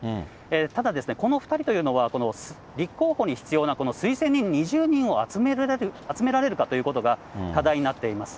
ただ、この２人というのは、立候補に必要な推薦人２０人を集められるかということが課題になっています。